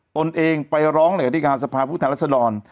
ตนเองไปร้องเหลือที่การสภาพุทธแหลษฎร